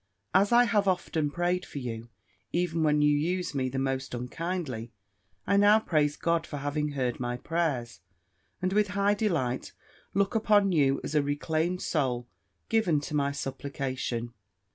"As I have often prayed for you, even when you used me the most unkindly, I now praise God for having heard my prayers, and with high delight look upon you as a reclaimed soul given to my supplication.